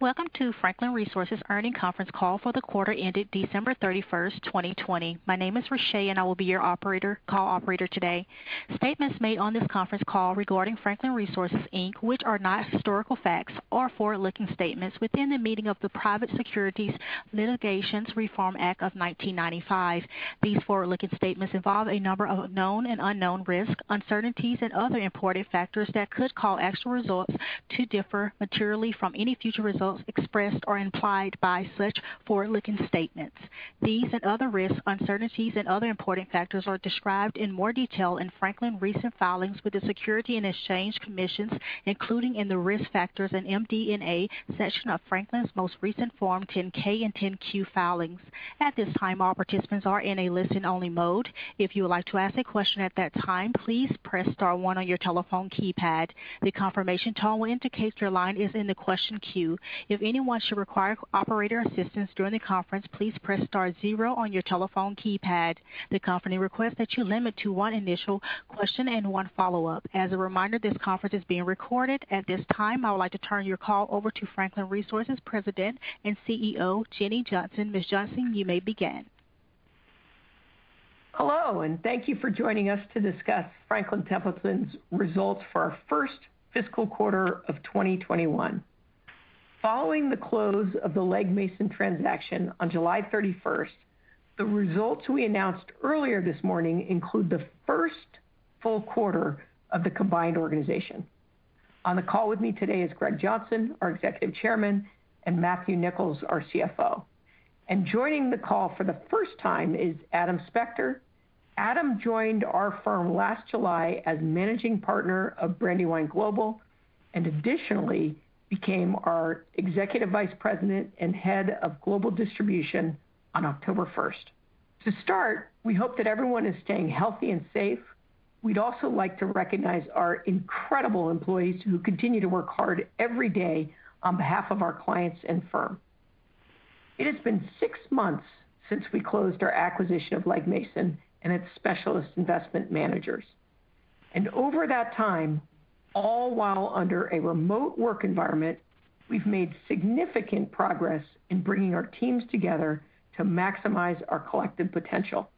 Welcome to Franklin Resources Earnings Conference Call for the quarter ended December 31st, 2020. My name is Rashay, and I will be your call operator today. Statements made on this conference call regarding Franklin Resources, Inc., which are not historical facts are forward-looking statements within the meaning of the Private Securities Litigation Reform Act of 1995. These forward-looking statements involve a number of known and unknown risks, uncertainties, and other important factors that could cause actual results to differ materially from any future results expressed or implied by such forward-looking statements. These and other risks, uncertainties, and other important factors are described in more detail in Franklin's recent filings with the Securities and Exchange Commission, including in the Risk Factors and MD&A section of Franklin's most recent Form 10-K and 10-Q filings. At this time, all participants are in a listen-only mode. If you would like to ask a question at that time, please press star one on your telephone keypad. The confirmation tone will indicate your line is in the question queue. If anyone should require operator assistance during the conference, please press star zero on your telephone keypad. The company requests that you limit to one initial question and one follow-up. As a reminder, this conference is being recorded. At this time, I would like to turn your call over to Franklin Resources President and CEO, Jenny Johnson. Ms. Johnson, you may begin. Hello, and thank you for joining us to discuss Franklin Templeton's results for our first fiscal quarter of 2021. Following the close of the Legg Mason transaction on July 31st, the results we announced earlier this morning include the first full quarter of the combined organization. On the call with me today is Greg Johnson, our Executive Chairman, and Matthew Nicholls, our CFO. And joining the call for the first time is Adam Spector. Adam joined our firm last July as Managing Partner of Brandywine Global and additionally became our Executive Vice President and Head of Global Distribution on October 1st. To start, we hope that everyone is staying healthy and safe. We'd also like to recognize our incredible employees who continue to work hard every day on behalf of our clients and firm. It has been six months since we closed our acquisition of Legg Mason and its Specialist Investment Managers, and over that time, all while under a remote work environment, we've made significant progress in bringing our teams together to maximize our collective potential.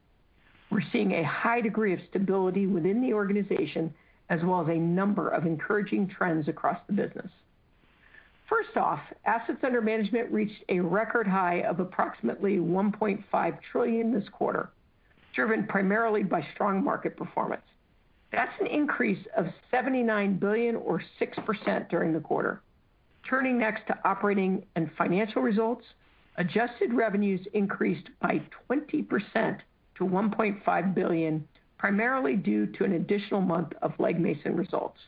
We're seeing a high degree of stability within the organization, as well as a number of encouraging trends across the business. First off, assets under management reached a record high of approximately $1.5 trillion this quarter, driven primarily by strong market performance. That's an increase of $79 billion, or 6%, during the quarter. Turning next to operating and financial results, adjusted revenues increased by 20% to $1.5 billion, primarily due to an additional month of Legg Mason results.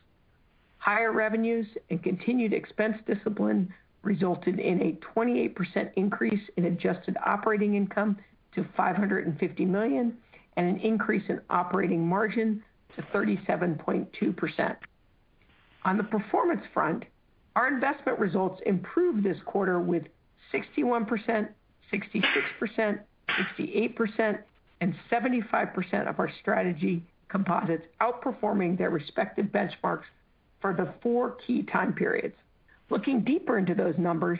Higher revenues and continued expense discipline resulted in a 28% increase in adjusted operating income to $550 million and an increase in operating margin to 37.2%. On the performance front, our investment results improved this quarter with 61%, 66%, 68%, and 75% of our strategy composites outperforming their respective benchmarks for the four key time periods. Looking deeper into those numbers,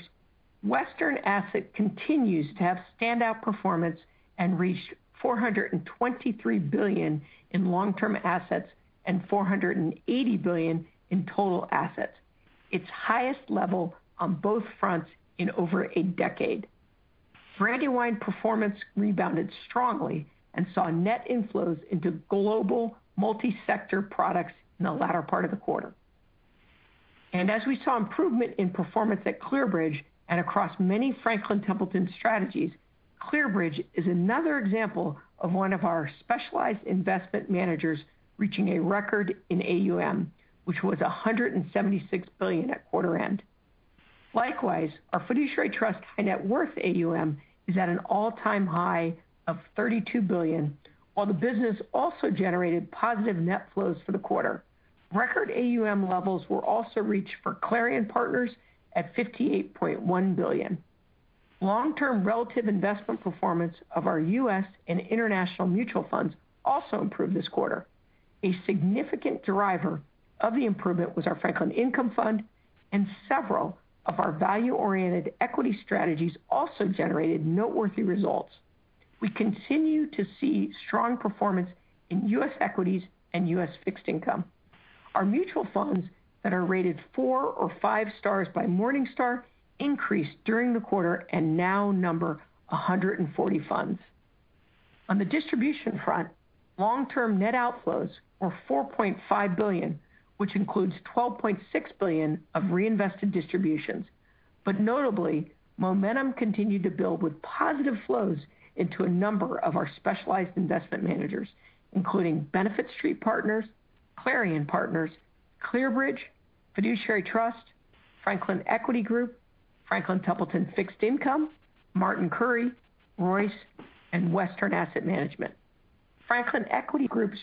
Western Asset continues to have standout performance and reached $423 billion in long-term assets and $480 billion in total assets, its highest level on both fronts in over a decade. Brandywine performance rebounded strongly and saw net inflows into global multi-sector products in the latter part of the quarter, and as we saw improvement in performance at ClearBridge and across many Franklin Templeton strategies, ClearBridge is another example of one of our Specialist Investment Managers reaching a record in AUM, which was $176 billion at quarter end. Likewise, our Fiduciary Trust high-net-worth AUM is at an all-time high of $32 billion, while the business also generated positive net flows for the quarter. Record AUM levels were also reached for Clarion Partners at $58.1 billion. Long-term relative investment performance of our U.S. and international mutual funds also improved this quarter. A significant driver of the improvement was our Franklin Income Fund, and several of our value-oriented equity strategies also generated noteworthy results. We continue to see strong performance in U.S. equities and U.S. fixed income. Our mutual funds that are rated four or five stars by Morningstar increased during the quarter and now number 140 funds. On the distribution front, long-term net outflows were $4.5 billion, which includes $12.6 billion of reinvested distributions. But notably, momentum continued to build with positive flows into a number of our Specialized Investment Managers, including Benefit Street Partners, Clarion Partners, ClearBridge, Fiduciary Trust, Franklin Equity Group, Franklin Templeton Fixed Income, Martin Currie, Royce, and Western Asset Management. Franklin Equity Group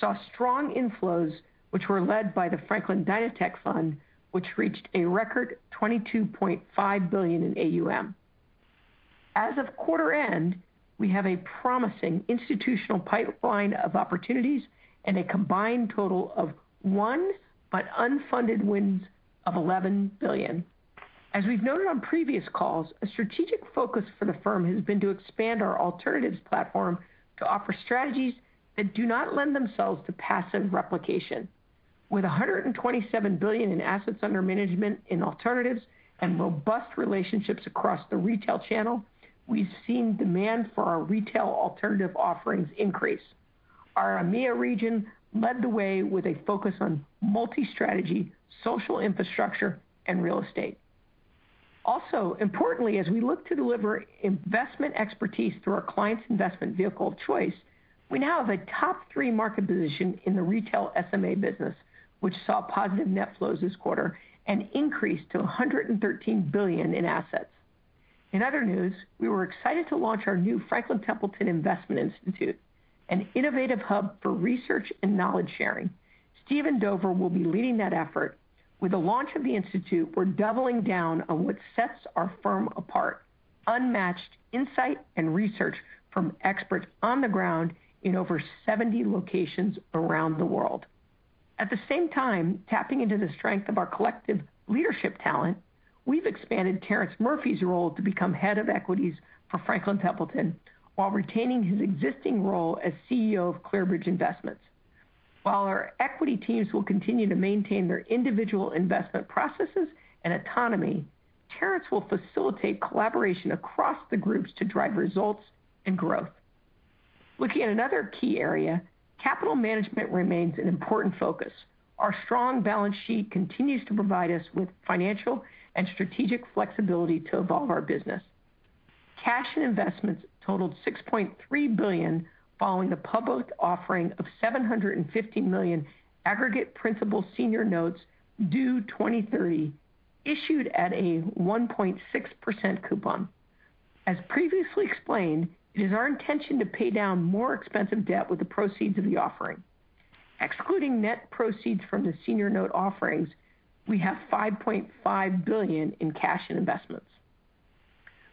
saw strong inflows, which were led by the Franklin DynaTech Fund, which reached a record $22.5 billion in AUM. As of quarter end, we have a promising institutional pipeline of opportunities and a combined total of one billion in unfunded wins of $11 billion. As we've noted on previous calls, a strategic focus for the firm has been to expand our alternatives platform to offer strategies that do not lend themselves to passive replication. With $127 billion in assets under management in alternatives and robust relationships across the retail channel, we've seen demand for our retail alternative offerings increase. Our EMEA region led the way with a focus on multi-strategy, social infrastructure, and real estate. Also, importantly, as we look to deliver investment expertise through our client's investment vehicle of choice, we now have a top three market position in the retail SMA business, which saw positive net flows this quarter and increased to $113 billion in assets. In other news, we were excited to launch our new Franklin Templeton Investment Institute, an innovative hub for research and knowledge sharing. Stephen Dover will be leading that effort. With the launch of the institute, we're doubling down on what sets our firm apart: unmatched insight and research from experts on the ground in over 70 locations around the world. At the same time, tapping into the strength of our collective leadership talent, we've expanded Terrence Murphy's role to become head of equities for Franklin Templeton while retaining his existing role as CEO of ClearBridge Investments. While our equity teams will continue to maintain their individual investment processes and autonomy, Terrence will facilitate collaboration across the groups to drive results and growth. Looking at another key area, capital management remains an important focus. Our strong balance sheet continues to provide us with financial and strategic flexibility to evolve our business. Cash and investments totaled $6.3 billion following the public offering of $750 million aggregate principal senior notes due 2030, issued at a 1.6% coupon. As previously explained, it is our intention to pay down more expensive debt with the proceeds of the offering. Excluding net proceeds from the senior note offerings, we have $5.5 billion in cash and investments.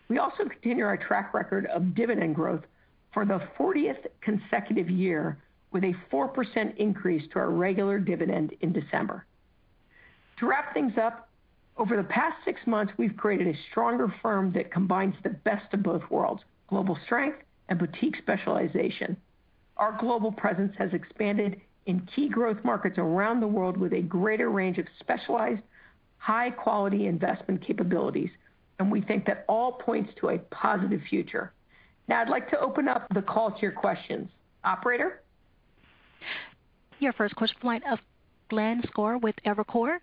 We also continue our track record of dividend growth for the 40th consecutive year, with a 4% increase to our regular dividend in December. To wrap things up, over the past six months, we've created a stronger firm that combines the best of both worlds: global strength and boutique specialization. Our global presence has expanded in key growth markets around the world with a greater range of specialized, high-quality investment capabilities, and we think that all points to a positive future. Now, I'd like to open up the call to your questions. Operator? Your first question from Glenn Schorr with Evercore.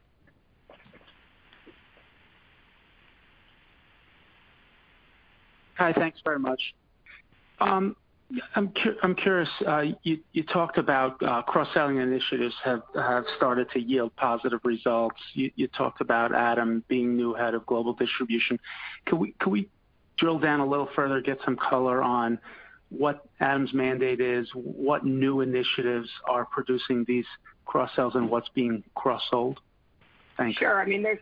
Hi, thanks very much. I'm curious, you talked about cross-selling initiatives have started to yield positive results. You talked about Adam being new head of global distribution. Can we drill down a little further, get some color on what Adam's mandate is, what new initiatives are producing these cross-sells, and what's being cross-sold? Thank you. Sure. I mean, there's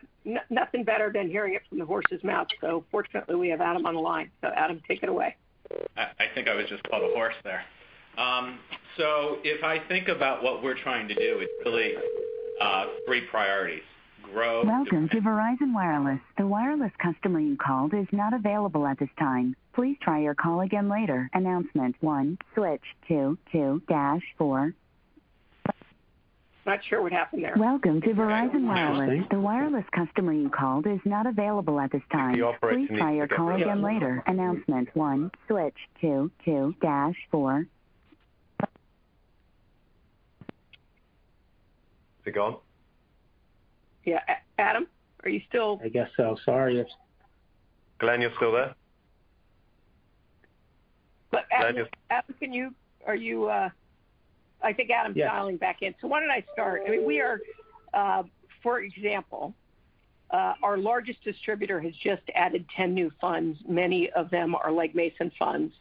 nothing better than hearing it from the horse's mouth. So fortunately, we have Adam on the line. So Adam, take it away. I think I was just called a horse there. So if I think about what we're trying to do, it's really three priorities: grow. Welcome to Verizon Wireless. The wireless customer you called is not available at this time. Please try your call again later. Announcement one switch two two dash four. Not sure what happened there. Welcome to Verizon Wireless. The wireless customer you called is not available at this time. Please try your call again later. Announcement one switch two two dash four. Is it gone? Yeah. Adam, are you still? I guess so. Sorry. Glenn, you're still there? Adam, can you? I think Adam's dialing back in. So why don't I start? I mean, we are, for example, our largest distributor has just added 10 new funds. Many of them are Legg Mason funds.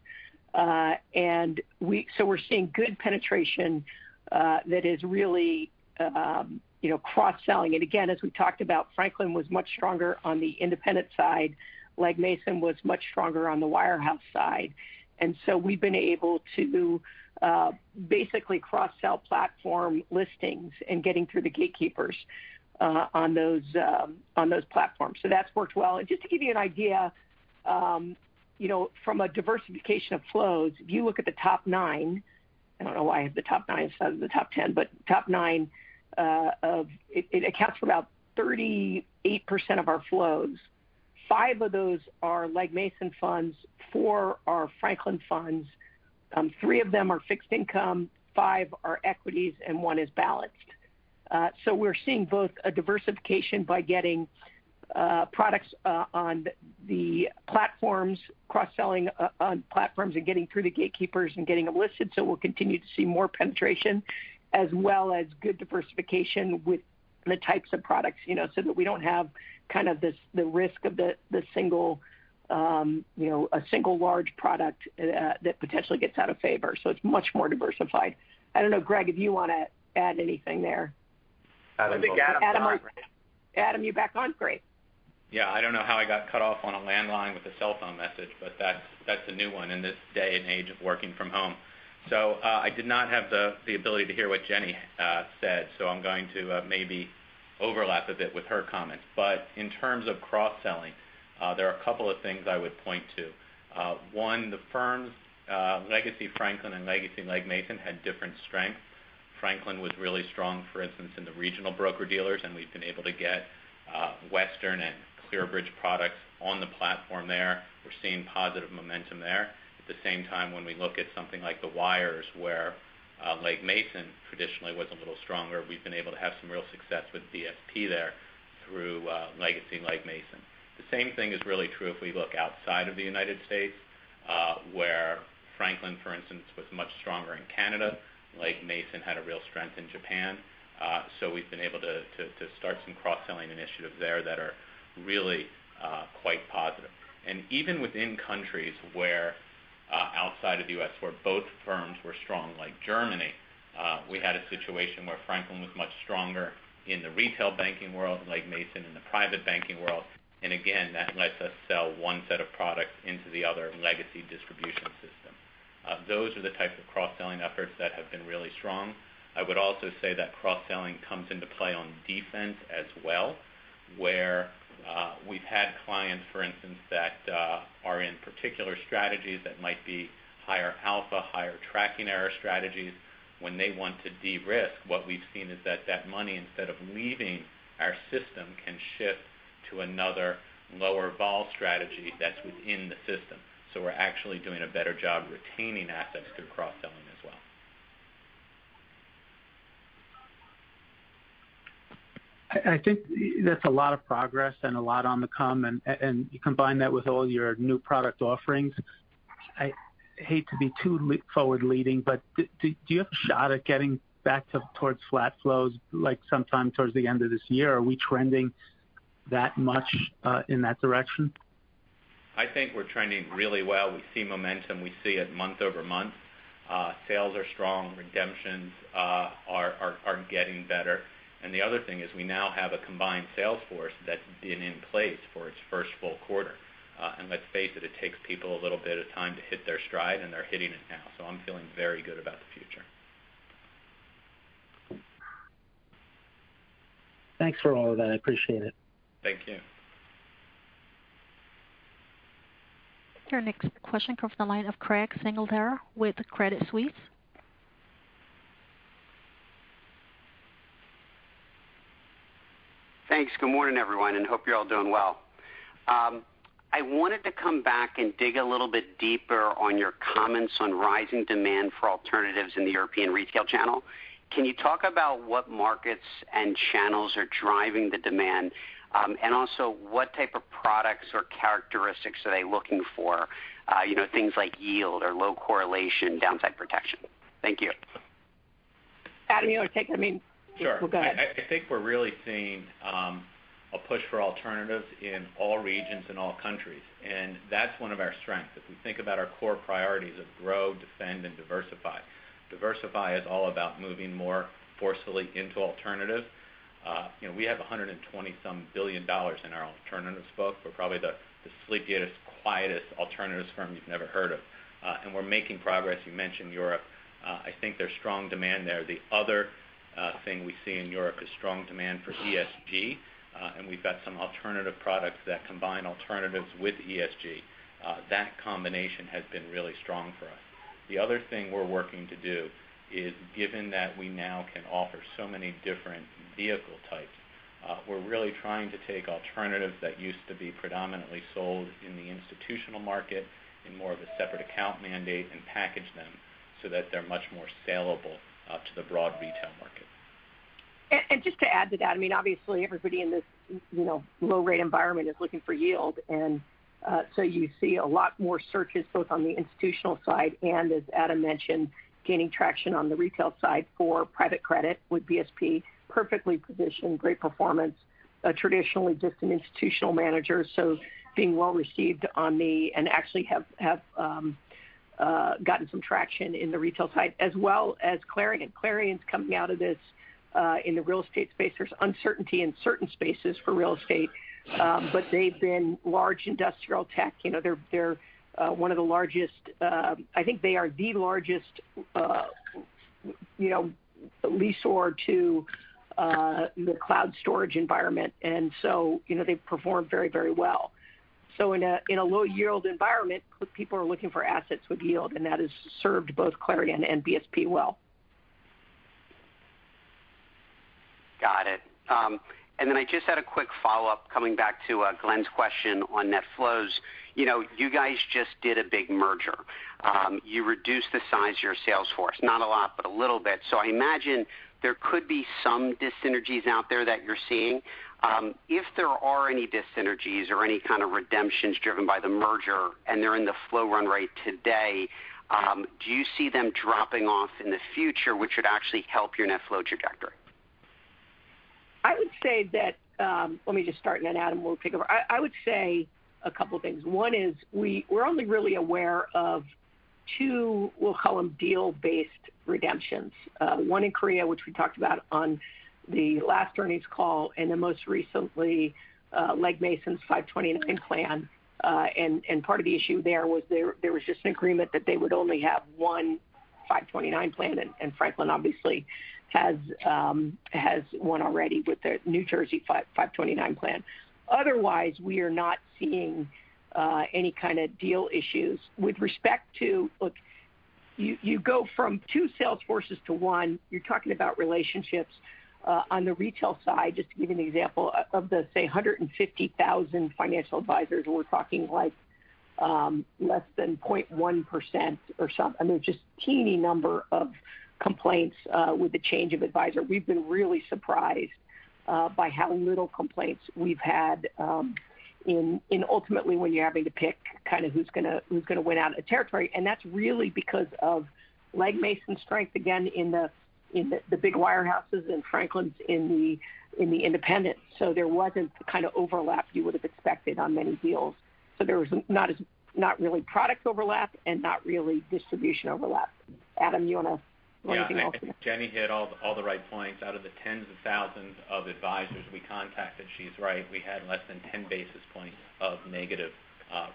And so we're seeing good penetration that is really cross-selling. And again, as we talked about, Franklin was much stronger on the independent side. Legg Mason was much stronger on the wirehouse side. And so we've been able to basically cross-sell platform listings and getting through the gatekeepers on those platforms. So that's worked well. And just to give you an idea, from a diversification of flows, if you look at the top nine, I don't know why I have the top nine instead of the top 10, but top nine accounts for about 38% of our flows. Five of those are Legg Mason funds. Four are Franklin funds. Three of them are fixed income. Five are equities, and one is balanced. So we're seeing both a diversification by getting products on the platforms, cross-selling on platforms, and getting through the gatekeepers and getting them listed. So we'll continue to see more penetration, as well as good diversification with the types of products so that we don't have kind of the risk of a single large product that potentially gets out of favor. So it's much more diversified. I don't know, Greg, if you want to add anything there. I think Adam's on the line. Adam, you're back on. Great. Yeah. I don't know how I got cut off on a landline with a cell phone message, but that's a new one in this day and age of working from home. So I did not have the ability to hear what Jenny said, so I'm going to maybe overlap a bit with her comments. But in terms of cross-selling, there are a couple of things I would point to. One, the firms, Legacy Franklin and Legacy Legg Mason, had different strengths. Franklin was really strong, for instance, in the regional broker-dealers, and we've been able to get Western and ClearBridge products on the platform there. We're seeing positive momentum there. At the same time, when we look at something like the wirehouses, where Legg Mason traditionally was a little stronger, we've been able to have some real success with BSP there through Legacy Legg Mason. The same thing is really true if we look outside of the United States, where Franklin, for instance, was much stronger in Canada. Legg Mason had a real strength in Japan. So we've been able to start some cross-selling initiatives there that are really quite positive. And even within countries outside of the U.S. where both firms were strong, like Germany, we had a situation where Franklin was much stronger in the retail banking world, Legg Mason in the private banking world. And again, that lets us sell one set of products into the other legacy distribution system. Those are the types of cross-selling efforts that have been really strong. I would also say that cross-selling comes into play on defense as well, where we've had clients, for instance, that are in particular strategies that might be higher alpha, higher tracking error strategies. When they want to de-risk, what we've seen is that that money, instead of leaving our system, can shift to another lower-vol strategy that's within the system. So we're actually doing a better job retaining assets through cross-selling as well. I think that's a lot of progress and a lot on the come, and you combine that with all your new product offerings. I hate to be too forward-looking, but do you have a shot at getting back towards flat flows sometime towards the end of this year? Are we trending that much in that direction? I think we're trending really well. We see momentum. We see it month over month. Sales are strong. Redemptions are getting better. And the other thing is we now have a combined sales force that's been in place for its first full quarter. And let's face it, it takes people a little bit of time to hit their stride, and they're hitting it now. So I'm feeling very good about the future. Thanks for all of that. I appreciate it. Thank you. Our next question comes from the line of Craig Siegenthaler with Credit Suisse. Thanks. Good morning, everyone, and hope you're all doing well. I wanted to come back and dig a little bit deeper on your comments on rising demand for alternatives in the European retail channel. Can you talk about what markets and channels are driving the demand, and also what type of products or characteristics are they looking for, things like yield or low correlation, downside protection? Thank you. Adam, you want to take it? I mean, we'll go ahead. Sure. I think we're really seeing a push for alternatives in all regions and all countries, and that's one of our strengths. If we think about our core priorities of grow, defend, and diversify, diversify is all about moving more forcefully into alternatives. We have $120-some billion in our alternatives book. We're probably the sleepiest, quietest alternatives firm you've never heard of, and we're making progress. You mentioned Europe. I think there's strong demand there. The other thing we see in Europe is strong demand for ESG, and we've got some alternative products that combine alternatives with ESG. That combination has been really strong for us. The other thing we're working to do is, given that we now can offer so many different vehicle types, we're really trying to take alternatives that used to be predominantly sold in the institutional market in more of a separate account mandate and package them so that they're much more saleable to the broad retail market. And just to add to that, I mean, obviously, everybody in this low-rate environment is looking for yield. And so you see a lot more searches both on the institutional side and, as Adam mentioned, gaining traction on the retail side for private credit with BSP, perfectly positioned, great performance, traditionally just an institutional manager. So being well-received on the and actually have gotten some traction in the retail side, as well as Clarion. Clarion's coming out of this in the real estate space. There's uncertainty in certain spaces for real estate, but they've been large industrial tech. They're one of the largest; I think they are the largest lessor to the cloud storage environment. And so they've performed very, very well. So in a low-yield environment, people are looking for assets with yield, and that has served both Clarion and BSP well. Got it. And then I just had a quick follow-up coming back to Glenn's question on net flows. You guys just did a big merger. You reduced the size of your sales force, not a lot, but a little bit. So I imagine there could be some dissynergies out there that you're seeing. If there are any dissynergies or any kind of redemptions driven by the merger and they're in the flow run rate today, do you see them dropping off in the future, which would actually help your net flow trajectory? I would say that, let me just start, and then Adam will take over. I would say a couple of things. One is we're only really aware of two, we'll call them deal-based redemptions. One in Korea, which we talked about on the last earnings call, and then most recently, Legg Mason's 529 plan, and part of the issue there was just an agreement that they would only have one 529 plan, and Franklin obviously has one already with the New Jersey 529 plan. Otherwise, we are not seeing any kind of deal issues. With respect to, look, you go from two sales forces to one, you're talking about relationships. On the retail side, just to give you an example, of the, say, 150,000 financial advisors, we're talking less than 0.1% or something. I mean, just a teeny number of complaints with the change of advisor. We've been really surprised by how little complaints we've had, and ultimately, when you're having to pick kind of who's going to win out in the territory, and that's really because of Legg Mason's strength, again, in the big wirehouses and Franklin's in the independents, so there wasn't the kind of overlap you would have expected on many deals, so there was not really product overlap and not really distribution overlap. Adam, you want to add anything else? Jenny hit all the right points. Out of the tens of thousands of advisors we contacted, she's right. We had less than 10 basis points of negative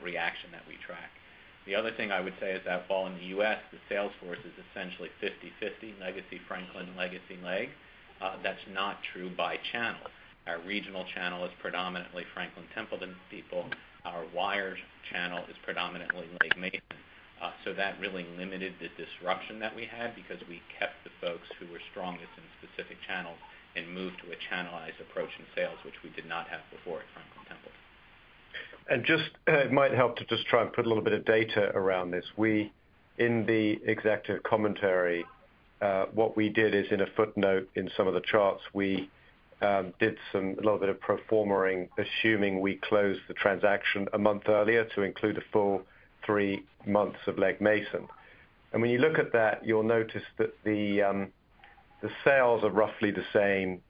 reaction that we track. The other thing I would say is that while in the U.S., the sales force is essentially 50/50, Legacy Franklin, Legacy Leg, that's not true by channel. Our regional channel is predominantly Franklin Templeton people. Our wire channel is predominantly Legg Mason. So that really limited the disruption that we had because we kept the folks who were strongest in specific channels and moved to a channelized approach in sales, which we did not have before at Franklin Templeton. And it might help to just try and put a little bit of data around this. In the executive commentary, what we did is, in a footnote in some of the charts, we did a little bit of pro forma, assuming we closed the transaction a month earlier to include the full three months of Legg Mason. And when you look at that, you'll notice that the sales are roughly the same,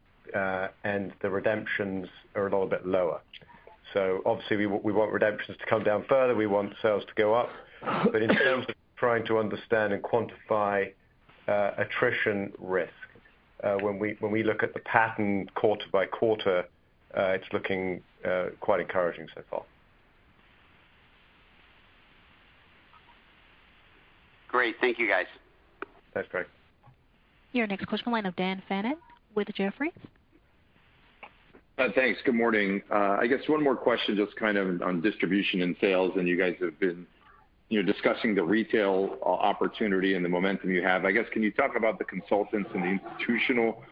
and the redemptions are a little bit lower. So obviously, we want redemptions to come down further. We want sales to go up. But in terms of trying to understand and quantify attrition risk, when we look at the pattern quarter by quarter, it's looking quite encouraging so far. Great. Thank you, guys. Thanks, Craig. Your next question, line of Dan Fannon with Jefferies. Thanks. Good morning. I guess one more question just kind of on distribution and sales, and you guys have been discussing the retail opportunity and the momentum you have. I guess, can you talk about the consultants and the institutional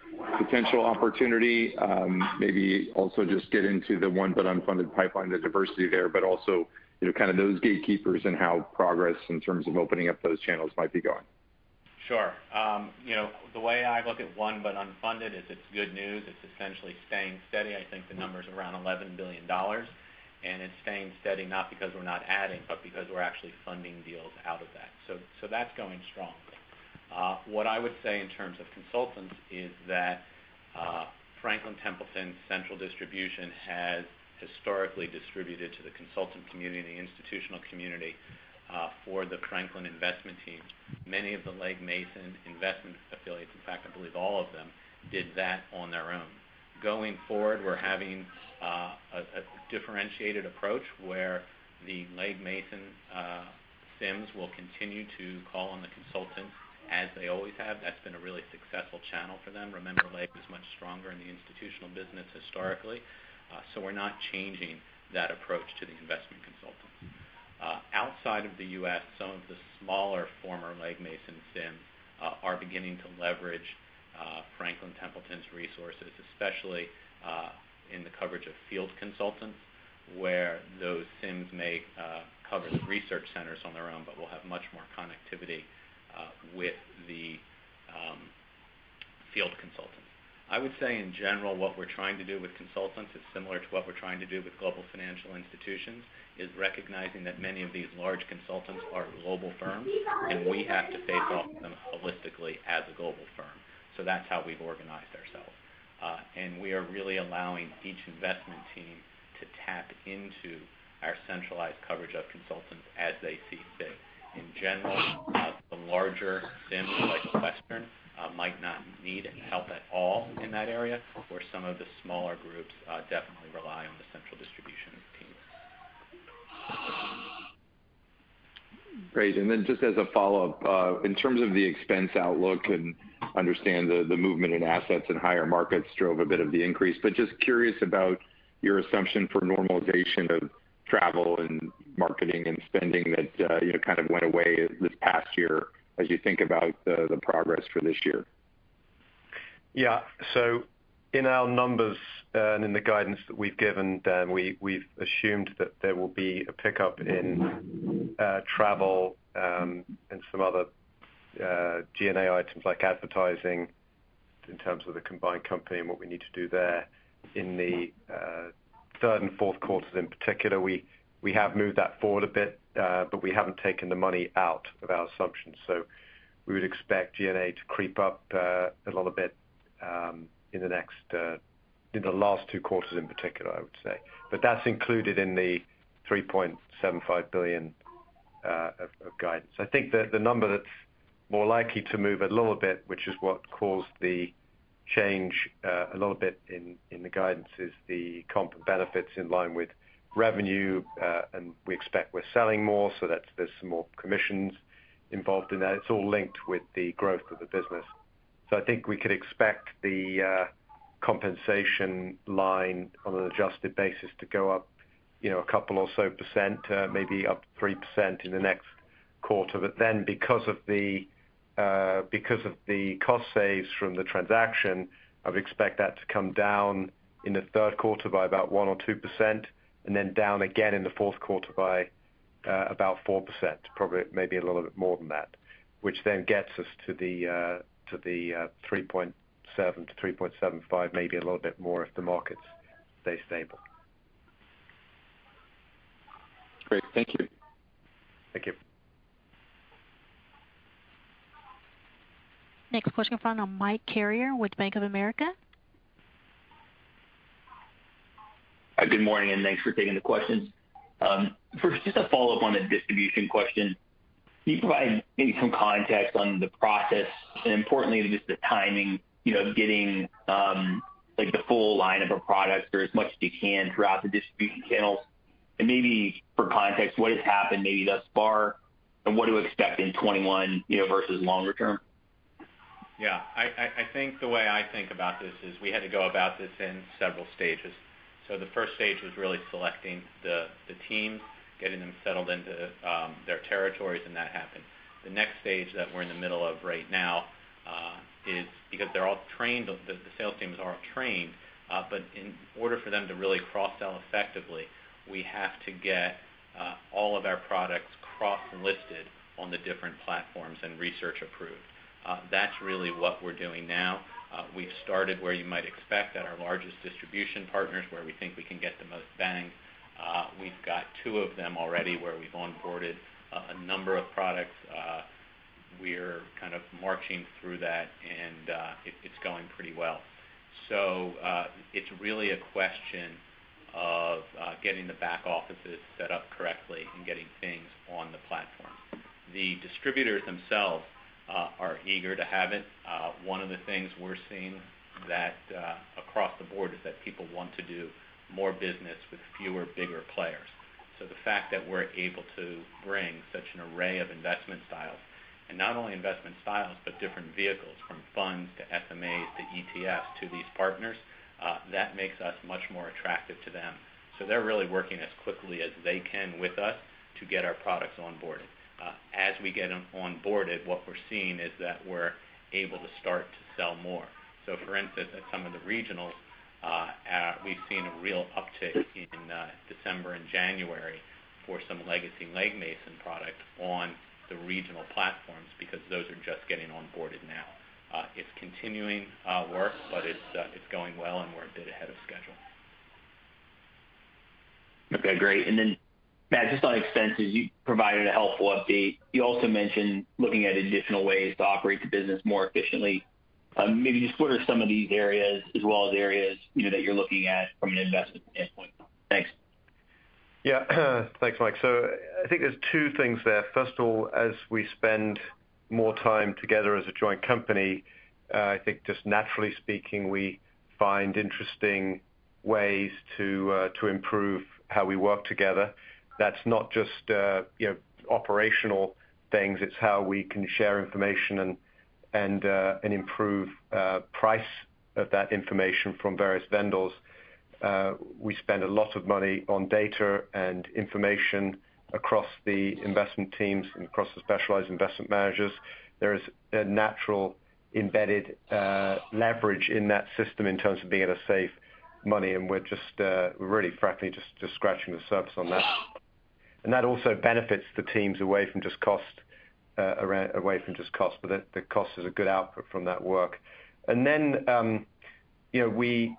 potential opportunity? Maybe also just get into the unfunded pipeline, the diversity there, but also kind of those gatekeepers and how progress in terms of opening up those channels might be going. Sure. The way I look at unfunded is it's good news. It's essentially staying steady. I think the number's around $11 billion, and it's staying steady not because we're not adding, but because we're actually funding deals out of that. So that's going strong. What I would say in terms of consultants is that Franklin Templeton Central Distribution has historically distributed to the consultant community, the institutional community for the Franklin investment team. Many of the Legg Mason investment affiliates, in fact, I believe all of them, did that on their own. Going forward, we're having a differentiated approach where the Legg Mason SIMs will continue to call on the consultants as they always have. That's been a really successful channel for them. Remember, Legg is much stronger in the institutional business historically. So we're not changing that approach to the investment consultants. Outside of the U.S., some of the smaller former Leg Mason SIMs are beginning to leverage Franklin Templeton's resources, especially in the coverage of field consultants, where those SIMs may cover the research centers on their own, but will have much more connectivity with the field consultants. I would say, in general, what we're trying to do with consultants is similar to what we're trying to do with global financial institutions, is recognizing that many of these large consultants are global firms, and we have to face off with them holistically as a global firm, so that's how we've organized ourselves. And we are really allowing each investment team to tap into our centralized coverage of consultants as they see fit. In general, the larger SIMs like Western might not need help at all in that area, where some of the smaller groups definitely rely on the central distribution team. Great. And then just as a follow-up, in terms of the expense outlook and understand the movement in assets and higher markets drove a bit of the increase, but just curious about your assumption for normalization of travel and marketing and spending that kind of went away this past year as you think about the progress for this year? Yeah. So in our numbers and in the guidance that we've given, we've assumed that there will be a pickup in travel and some other G&A items like advertising in terms of the combined company and what we need to do there. In the third and fourth quarters in particular, we have moved that forward a bit, but we haven't taken the money out of our assumptions. So we would expect G&A to creep up a little bit in the last two quarters in particular, I would say. But that's included in the $3.75 billion of guidance. I think the number that's more likely to move a little bit, which is what caused the change a little bit in the guidance, is the comp and benefits in line with revenue, and we expect we're selling more, so there's some more commissions involved in that. It's all linked with the growth of the business. So I think we could expect the compensation line on an adjusted basis to go up a couple or so percent, maybe up 3% in the next quarter. But then, because of the cost savings from the transaction, I would expect that to come down in the third quarter by about 1 or 2%, and then down again in the fourth quarter by about 4%, probably maybe a little bit more than that, which then gets us to the 3.7%-3.75%, maybe a little bit more if the markets stay stable. Great. Thank you. Thank you. Next question from Mike Carrier with Bank of America. Good morning, and thanks for taking the questions. First, just a follow-up on the distribution question. Can you provide maybe some context on the process, and importantly, just the timing, getting the full line of a product or as much as you can throughout the distribution channels, and maybe for context, what has happened maybe thus far, and what do we expect in 2021 versus longer term? Yeah. I think the way I think about this is we had to go about this in several stages. So the first stage was really selecting the teams, getting them settled into their territories, and that happened. The next stage that we're in the middle of right now is because they're all trained, the sales teams are all trained, but in order for them to really cross-sell effectively, we have to get all of our products cross-listed on the different platforms and research approved. That's really what we're doing now. We've started where you might expect at our largest distribution partners, where we think we can get the most bangs. We've got two of them already where we've onboarded a number of products. We're kind of marching through that, and it's going pretty well. So it's really a question of getting the back offices set up correctly and getting things on the platforms. The distributors themselves are eager to have it. One of the things we're seeing across the board is that people want to do more business with fewer bigger players. So the fact that we're able to bring such an array of investment styles, and not only investment styles, but different vehicles from funds to SMAs to ETFs to these partners, that makes us much more attractive to them. So they're really working as quickly as they can with us to get our products onboarded. As we get them onboarded, what we're seeing is that we're able to start to sell more. So for instance, at some of the regionals, we've seen a real uptick in December and January for some legacy Legg Mason product on the regional platforms because those are just getting onboarded now. It's continuing work, but it's going well, and we're a bit ahead of schedule. Okay. Great. And then, Matt, just on expenses, you provided a helpful update. You also mentioned looking at additional ways to operate the business more efficiently. Maybe just what are some of these areas as well as areas that you're looking at from an investment standpoint? Thanks. Yeah. Thanks, Mike. So I think there's two things there. First of all, as we spend more time together as a joint company, I think just naturally speaking, we find interesting ways to improve how we work together. That's not just operational things. It's how we can share information and improve pricing of that information from various vendors. We spend a lot of money on data and information across the investment teams and across the specialized investment managers. There is a natural embedded leverage in that system in terms of being able to save money, and we're really frankly just scratching the surface on that. And that also benefits the teams away from just cost, away from just cost, but the cost is a good output from that work. Then we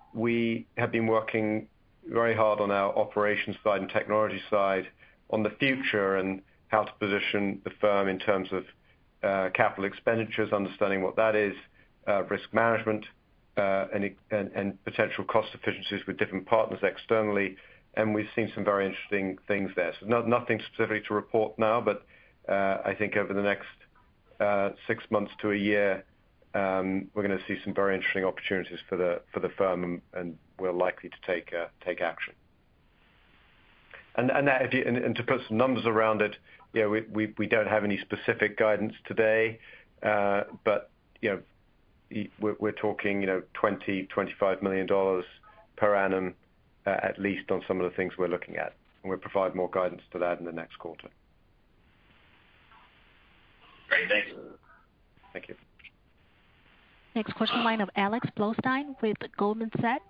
have been working very hard on our operations side and technology side on the future and how to position the firm in terms of capital expenditures, understanding what that is, risk management, and potential cost efficiencies with different partners externally. We have seen some very interesting things there. Nothing specifically to report now, but I think over the next six months to a year, we are going to see some very interesting opportunities for the firm, and we are likely to take action. To put some numbers around it, we do not have any specific guidance today, but we are talking $20-$25 million per annum at least on some of the things we are looking at. We will provide more guidance to that in the next quarter. Great. Thanks. Thank you. Next question line of Alex Blostein with Goldman Sachs.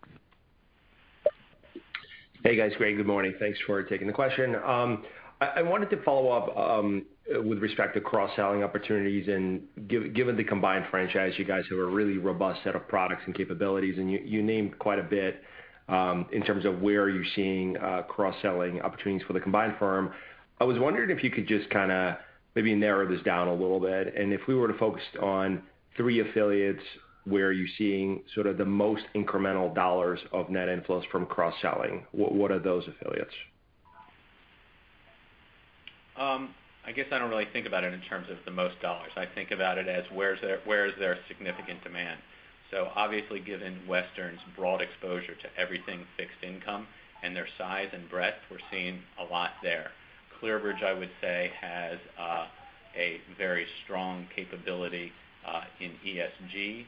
Hey, guys. Great. Good morning. Thanks for taking the question. I wanted to follow up with respect to cross-selling opportunities. And given the combined franchise, you guys have a really robust set of products and capabilities, and you named quite a bit in terms of where you're seeing cross-selling opportunities for the combined firm. I was wondering if you could just kind of maybe narrow this down a little bit. And if we were to focus on three affiliates where you're seeing sort of the most incremental dollars of net inflows from cross-selling, what are those affiliates? I guess I don't really think about it in terms of the most dollars. I think about it as where is there significant demand? So obviously, given Western's broad exposure to everything fixed income and their size and breadth, we're seeing a lot there. ClearBridge, I would say, has a very strong capability in ESG,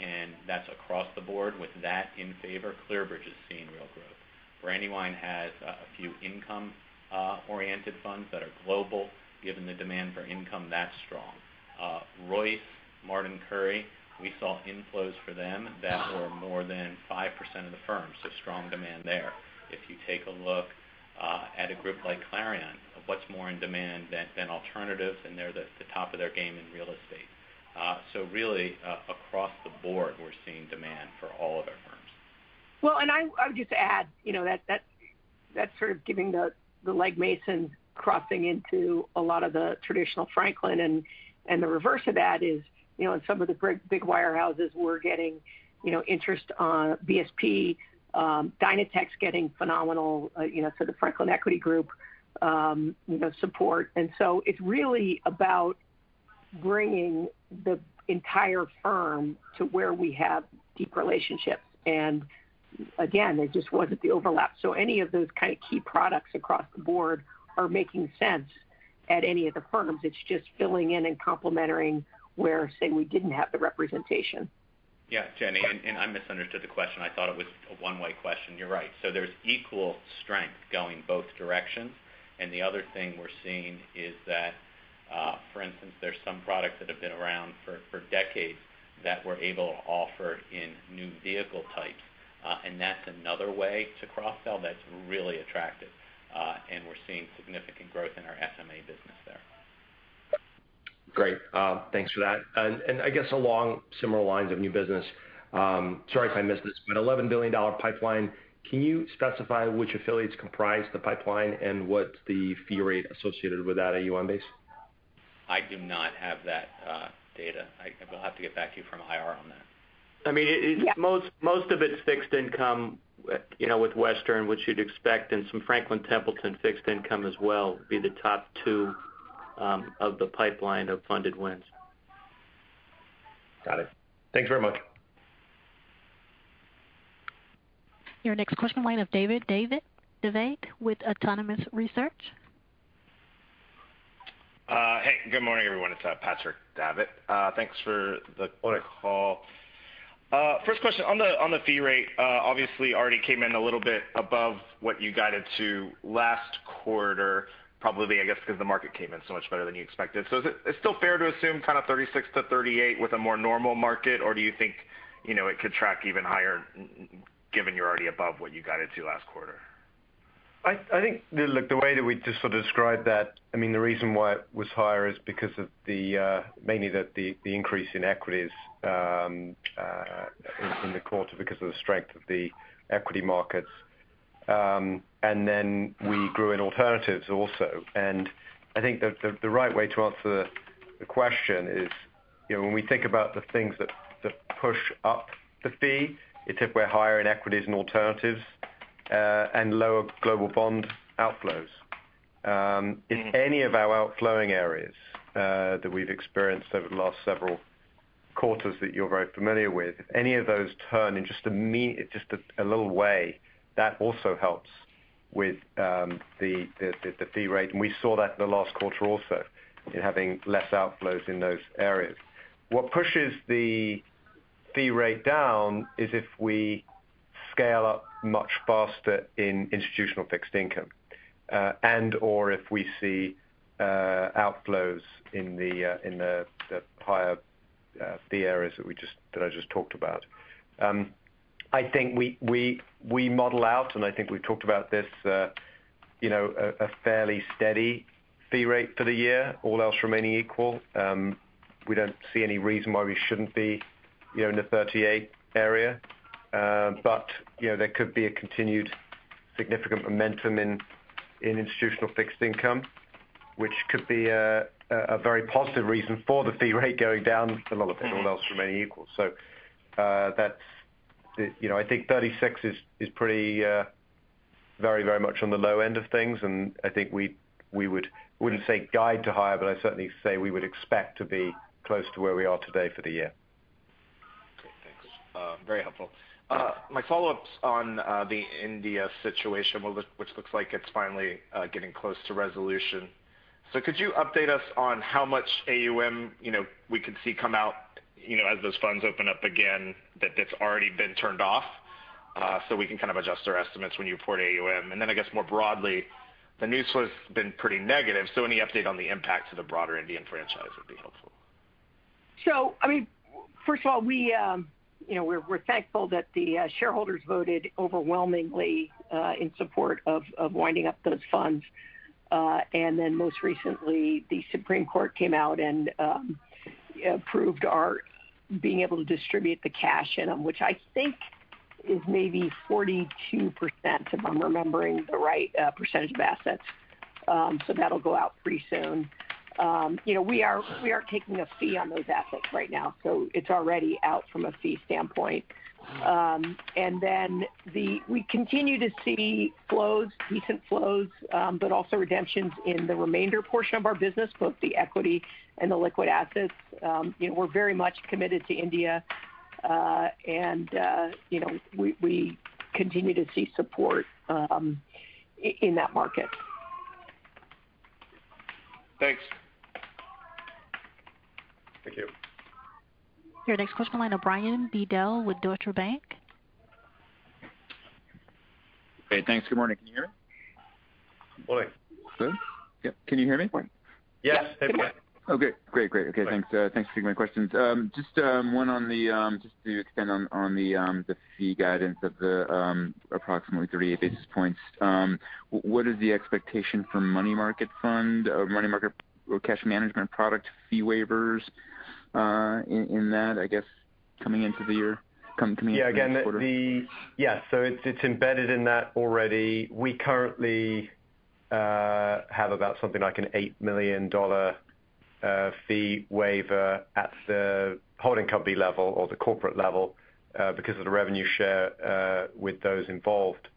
and that's across the board. With that in favor, ClearBridge is seeing real growth. Brandywine has a few income-oriented funds that are global, given the demand for income that strong. Royce, Martin Currie, we saw inflows for them that were more than 5% of the firm, so strong demand there. If you take a look at a group like Clarion, what's more in demand than alternatives, and they're the top of their game in real estate? So really, across the board, we're seeing demand for all of our firms. And I would just add that sort of giving the Legg Mason crossing into a lot of the traditional Franklin, and the reverse of that is in some of the big wirehouses, we're getting interest on BSP, Dynatech getting phenomenal sort of Franklin Equity Group support. And so it's really about bringing the entire firm to where we have deep relationships. And again, there just wasn't the overlap. So any of those kind of key products across the board are making sense at any of the firms. It's just filling in and complementing where, say, we didn't have the representation. Yeah, Jenny, and I misunderstood the question. I thought it was a one-way question. You're right. So there's equal strength going both directions. And the other thing we're seeing is that, for instance, there's some products that have been around for decades that we're able to offer in new vehicle types. And that's another way to cross-sell that's really attractive. And we're seeing significant growth in our FMA business there. Great. Thanks for that, and I guess along similar lines of new business, sorry if I missed this, but $11 billion pipeline, can you specify which affiliates comprise the pipeline and what's the fee rate associated with that AUM on base? I do not have that data. I will have to get back to you from IR on that. I mean, most of it's fixed income with Western, which you'd expect, and some Franklin Templeton Fixed Income as well would be the top two of the pipeline of funded wins. Got it. Thanks very much. Your next question from Patrick Davitt with Autonomous Research. Hey, good morning, everyone. It's Patrick Davitt. Thanks for the call. First question on the fee rate, obviously already came in a little bit above what you guided to last quarter, probably I guess because the market came in so much better than you expected. So is it still fair to assume kind of 36 to 38 with a more normal market, or do you think it could track even higher given you're already above what you guided to last quarter? I think the way that we just sort of described that. I mean, the reason why it was higher is because of mainly the increase in equities in the quarter because of the strength of the equity markets. And then we grew in alternatives also. And I think the right way to answer the question is when we think about the things that push up the fee. It's if we're higher in equities and alternatives and lower global bond outflows. If any of our outflowing areas that we've experienced over the last several quarters that you're very familiar with, if any of those turn in just a little way, that also helps with the fee rate. And we saw that in the last quarter also in having less outflows in those areas. What pushes the fee rate down is if we scale up much faster in institutional fixed income and/or if we see outflows in the higher fee areas that I just talked about. I think we model out, and I think we've talked about this, a fairly steady fee rate for the year, all else remaining equal. We don't see any reason why we shouldn't be in the 38% area, but there could be a continued significant momentum in institutional fixed income, which could be a very positive reason for the fee rate going down, a little bit all else remaining equal. So I think 36% is pretty very, very much on the low end of things. And I think we wouldn't say guide to higher, but I certainly say we would expect to be close to where we are today for the year. Great. Thanks. Very helpful. My follow-ups on the India situation, which looks like it's finally getting close to resolution. So could you update us on how much AUM we could see come out as those funds open up again, that's already been turned off, so we can kind of adjust our estimates when you report AUM? And then I guess more broadly, the news has been pretty negative. So any update on the impact to the broader Indian franchise would be helpful. So I mean, first of all, we're thankful that the shareholders voted overwhelmingly in support of winding up those funds. And then most recently, the Supreme Court came out and approved our being able to distribute the cash in them, which I think is maybe 42% if I'm remembering the right percentage of assets. So that'll go out pretty soon. We are taking a fee on those assets right now, so it's already out from a fee standpoint. And then we continue to see flows, decent flows, but also redemptions in the remainder portion of our business, both the equity and the liquid assets. We're very much committed to India, and we continue to see support in that market. Thanks. Thank you. Your next question, line of Brian Bedell with Deutsche Bank. Hey, thanks. Good morning. Can you hear me? Good morning. Good. Yeah. Can you hear me? Yes. Hey, Brian. Oh, good. Great, great. Okay. Thanks for taking my questions. Just one on, to extend on the fee guidance of the approximately 38 basis points, what is the expectation for money market fund or money market cash management product fee waivers in that, I guess, coming into the year? Yeah. Again, yeah. So it's embedded in that already. We currently have about something like an $8 million fee waiver at the holding company level or the corporate level because of the revenue share with those involved,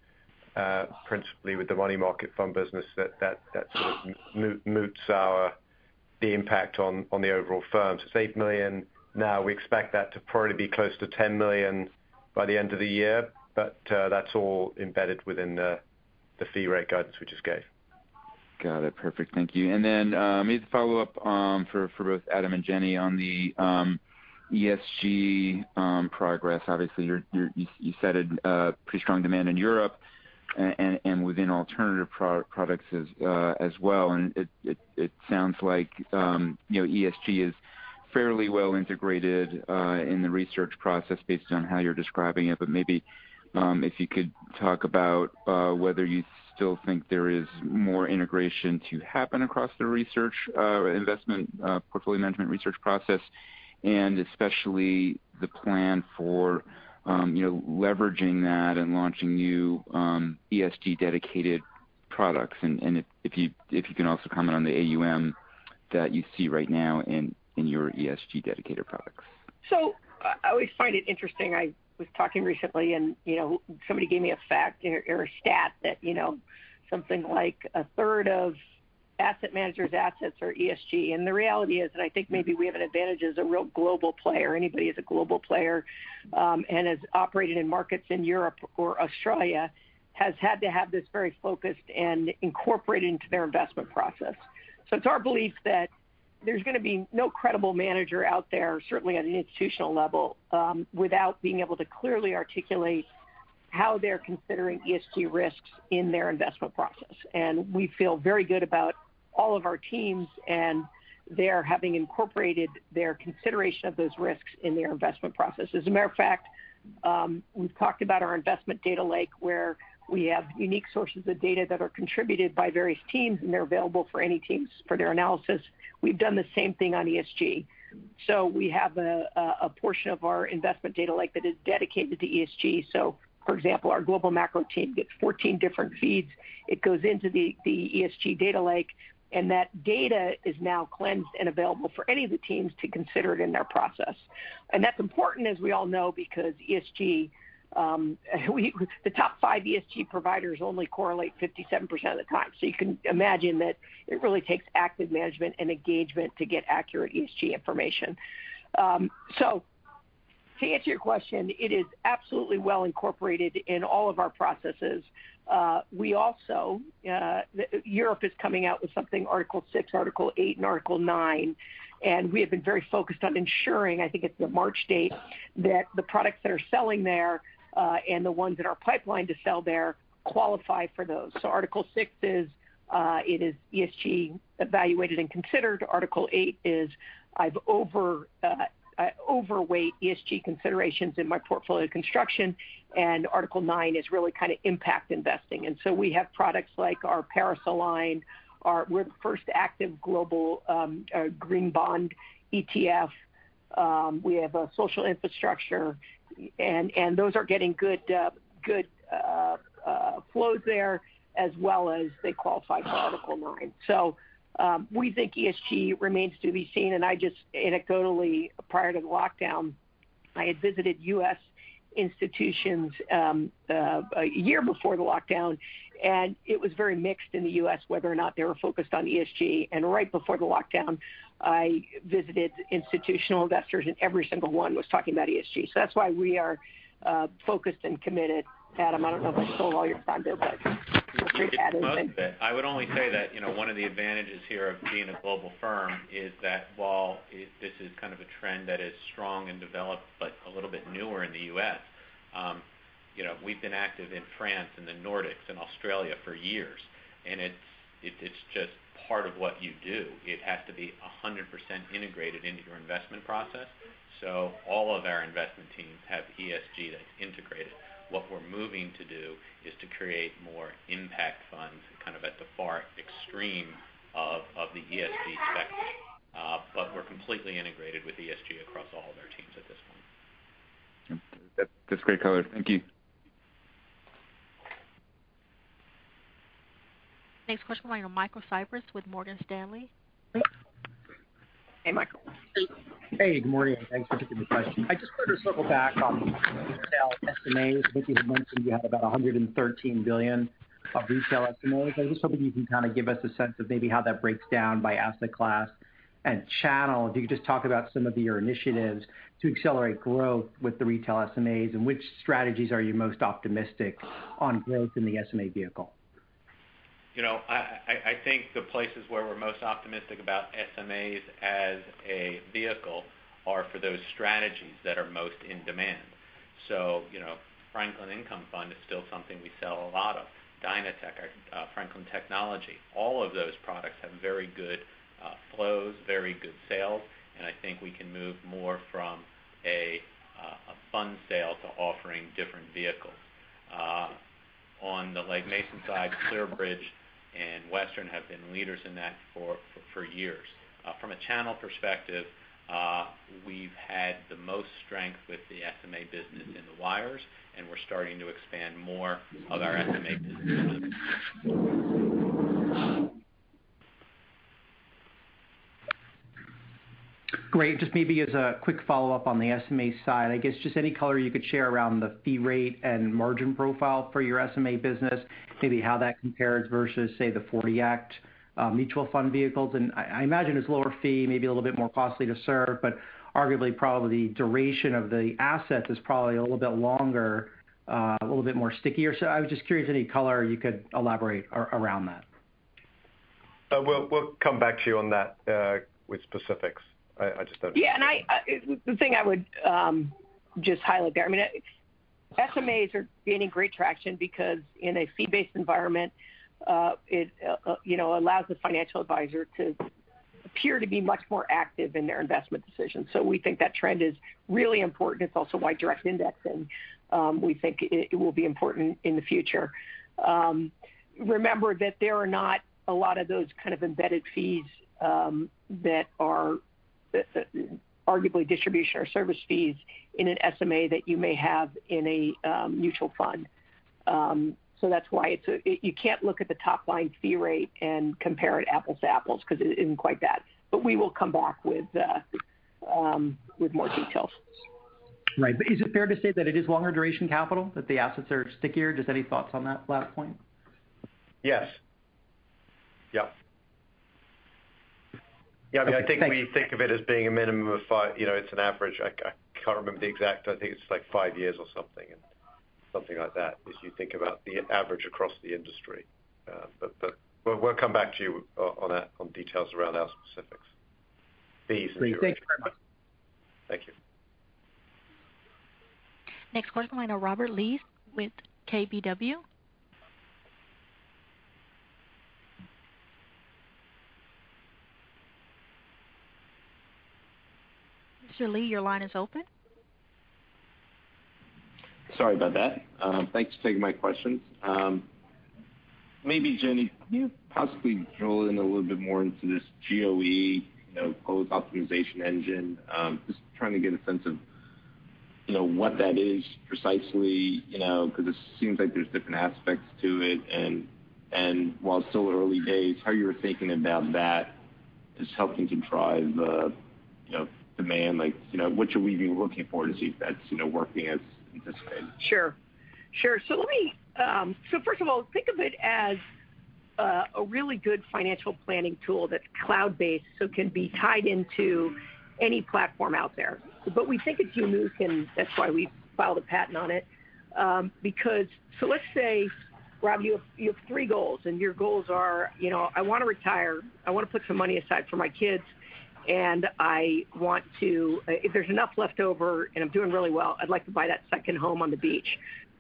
principally with the money market fund business that sort of mutes the impact on the overall firm. So it's $8 million. Now, we expect that to probably be close to $10 million by the end of the year, but that's all embedded within the fee rate guidance we just gave. Got it. Perfect. Thank you. And then maybe follow-up for both Adam and Jenny on the ESG progress. Obviously, you said pretty strong demand in Europe and within alternative products as well. And it sounds like ESG is fairly well integrated in the research process based on how you're describing it. But maybe if you could talk about whether you still think there is more integration to happen across the research investment portfolio management research process, and especially the plan for leveraging that and launching new ESG-dedicated products. And if you can also comment on the AUM that you see right now in your ESG-dedicated products. So I always find it interesting. I was talking recently, and somebody gave me a fact or a stat that something like a third of asset managers' assets are ESG. And the reality is that I think maybe we have an advantage as a real global player. Anybody is a global player and has operated in markets in Europe or Australia has had to have this very focused and incorporated into their investment process. So it's our belief that there's going to be no credible manager out there, certainly at an institutional level, without being able to clearly articulate how they're considering ESG risks in their investment process. And we feel very good about all of our teams, and they're having incorporated their consideration of those risks in their investment processes. As a matter of fact, we've talked about our investment data lake where we have unique sources of data that are contributed by various teams, and they're available for any teams for their analysis. We've done the same thing on ESG. So we have a portion of our investment data lake that is dedicated to ESG. So for example, our global macro team gets 14 different feeds. It goes into the ESG data lake, and that data is now cleansed and available for any of the teams to consider it in their process. And that's important, as we all know, because ESG, the top five ESG providers only correlate 57% of the time. So you can imagine that it really takes active management and engagement to get accurate ESG information. So to answer your question, it is absolutely well incorporated in all of our processes. We also, Europe is coming out with something, Article 6, Article 8, and Article 9, and we have been very focused on ensuring, I think it's the March date, that the products that are selling there and the ones that are in the pipeline to sell there qualify for those. So Article 6 is, it is ESG evaluated and considered. Article 8 is, I overweight ESG considerations in my portfolio construction. And Article 9 is really kind of impact investing. And so we have products like our Paris Aligned. We're the first active global green bond ETF. We have a social infrastructure, and those are getting good flows there as well as they qualify for Article 9. So we think ESG remains to be seen. And I just anecdotally, prior to the lockdown, I had visited U.S. institutions a year before the lockdown, and it was very mixed in the U.S. whether or not they were focused on ESG. And right before the lockdown, I visited institutional investors, and every single one was talking about ESG. So that's why we are focused and committed. Adam, I don't know if I stole all your time there, but I appreciate that. I would only say that one of the advantages here of being a global firm is that while this is kind of a trend that is strong and developed, but a little bit newer in the U.S., we've been active in France and the Nordics and Australia for years, and it's just part of what you do. It has to be 100% integrated into your investment process, so all of our investment teams have ESG that's integrated. What we're moving to do is to create more impact funds kind of at the far extreme of the ESG spectrum, but we're completely integrated with ESG across all of our teams at this point. That's great color. Thank you. Next question line of Michael Cyprys with Morgan Stanley. Hey, Michael. Hey, good morning. Thanks for taking the question. I just wanted to circle back on retail SMAs. I think you had mentioned you had about $113 billion of retail SMAs. I was just hoping you can kind of give us a sense of maybe how that breaks down by asset class and channel. If you could just talk about some of your initiatives to accelerate growth with the retail SMAs and which strategies are you most optimistic on growth in the SMA vehicle? I think the places where we're most optimistic about SMAs as a vehicle are for those strategies that are most in demand. So Franklin Income Fund is still something we sell a lot of. Dynatech, Franklin Technology, all of those products have very good flows, very good sales. And I think we can move more from a fund sale to offering different vehicles. On the Legg Mason side, ClearBridge and Western have been leaders in that for years. From a channel perspective, we've had the most strength with the SMA business in the wires, and we're starting to expand more of our SMA business. Great. Just maybe as a quick follow-up on the SMA side, I guess just any color you could share around the fee rate and margin profile for your SMA business, maybe how that compares versus, say, the 40 Act mutual fund vehicles. And I imagine it's lower fee, maybe a little bit more costly to serve, but arguably probably the duration of the assets is probably a little bit longer, a little bit more stickier. So I was just curious any color you could elaborate around that? Well, we'll come back to you on that with specifics. I just don't know. Yeah, and the thing I would just highlight there, I mean, SMAs are gaining great traction because in a fee-based environment, it allows the financial advisor to appear to be much more active in their investment decisions. So we think that trend is really important. It's also why direct indexing. We think it will be important in the future. Remember that there are not a lot of those kind of embedded fees that are arguably distribution or service fees in an SMA that you may have in a mutual fund. So that's why you can't look at the top-line fee rate and compare it apples to apples because it isn't quite that. But we will come back with more details. Right. But is it fair to say that it is longer duration capital that the assets are stickier? Just any thoughts on that last point? Yes. Yeah. Yeah. I mean, I think we think of it as being a minimum of. It's an average. I can't remember the exact. I think it's like five years or something like that as you think about the average across the industry. But we'll come back to you on details around our specifics, fees, and. Great. Thank you very much. Thank you. Next question line of Robert Lee with KBW. Mr. Lee, your line is open. Sorry about that. Thanks for taking my questions. Maybe, Jenny, can you possibly drill in a little bit more into this GOE, Goals Optimization Engine? Just trying to get a sense of what that is precisely because it seems like there's different aspects to it. And while it's still early days, how you're thinking about that is helping to drive demand. What should we be looking for to see if that's working as anticipated? Sure. Sure. So first of all, think of it as a really good financial planning tool that's cloud-based so it can be tied into any platform out there. But we think it's unique, and that's why we filed a patent on it. So let's say, Rob, you have three goals, and your goals are, "I want to retire. I want to put some money aside for my kids. And I want to, if there's enough leftover and I'm doing really well, I'd like to buy that second home on the beach.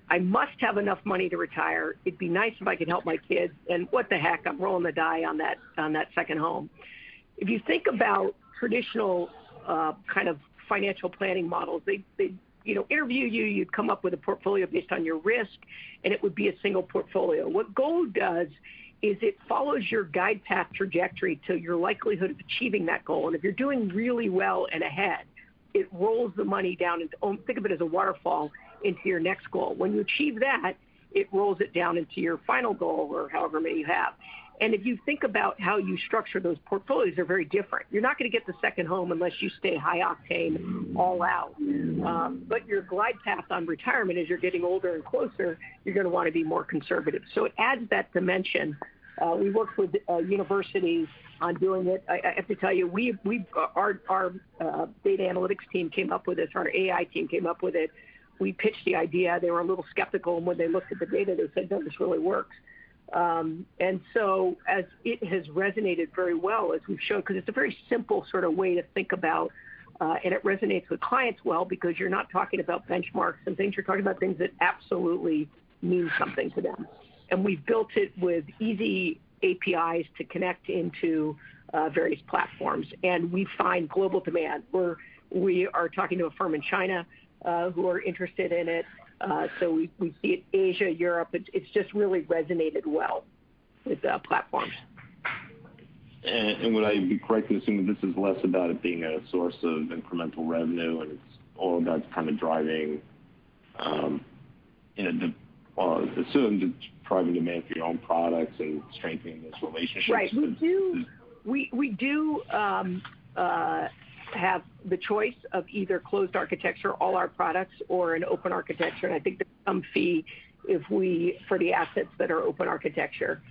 I must have enough money to retire. It'd be nice if I could help my kids. And what the heck? I'm rolling the die on that second home." If you think about traditional kind of financial planning models, they interview you. You'd come up with a portfolio based on your risk, and it would be a single portfolio. What GOE does is it follows your glide path trajectory to your likelihood of achieving that goal, and if you're doing really well and ahead, it rolls the money down into, think of it as a waterfall, into your next goal. When you achieve that, it rolls it down into your final goal or however many you have, and if you think about how you structure those portfolios, they're very different. You're not going to get the second home unless you stay high octane all out, but your glide path on retirement, as you're getting older and closer, you're going to want to be more conservative, so it adds that dimension. We worked with universities on doing it. I have to tell you, our data analytics team came up with this. Our AI team came up with it. We pitched the idea. They were a little skeptical. When they looked at the data, they said, "No, this really works." It has resonated very well as we've shown because it's a very simple sort of way to think about, and it resonates with clients well because you're not talking about benchmarks and things. You're talking about things that absolutely mean something to them. We've built it with easy APIs to connect into various platforms. We find global demand. We are talking to a firm in China who are interested in it. We see it in Asia, Europe. It's just really resonated well with platforms. And would I be correct to assume that this is less about it being a source of incremental revenue and all that's kind of driving assumed it's driving demand for your own products and strengthening those relationships? Right. We do have the choice of either closed architecture, all our products, or an open architecture. And I think there's some fee for the assets that are open architecture.